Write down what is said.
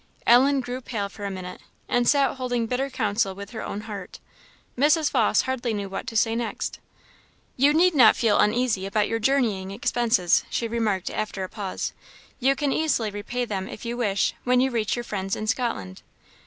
Ellen grew pale for a minute, and sat holding bitter counsel with her own heart. Mrs. Vawse hardly knew what to say next. "You need not feel uneasy about your journeying expenses," she remarked, after a pause; "you can easily repay them if you wish, when you reach your friends in Scotland."